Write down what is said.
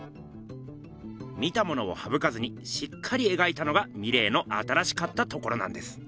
見たものをはぶかずにしっかり描いたのがミレーの新しかったところなんです。